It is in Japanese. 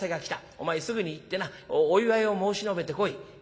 お前すぐに行ってなお祝いを申し述べてこい」。